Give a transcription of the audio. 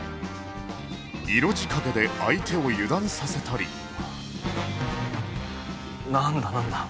色仕掛けで相手を油断させたりなんだなんだ？